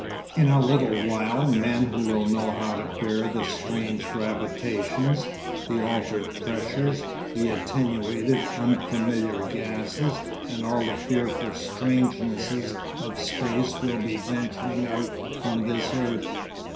'In a little while men who will know how to bear the strange gravitations, the altered pressures, the attenuated, unfamiliar gases and all the fearful strangenesses of space will be venturing out from this earth.